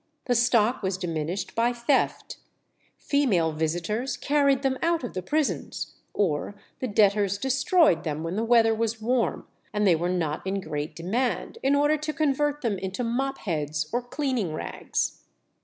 The stock was diminished by theft; female visitors carried them out of the prisons, or the debtors destroyed them when the weather was warm, and they were not in great demand, in order to convert them into mop heads or cleaning rags.